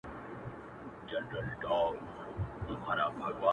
یوه ورځ دهقان له کوره را وتلی!.